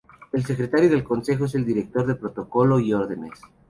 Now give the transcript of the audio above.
El Secretario del Consejo es el Director de Protocolo y Órdenes.